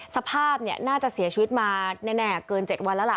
สภาพเนี้ยน่าจะเสียชีวิตมาแน่แน่เกินเจ็ดวันแล้วล่ะ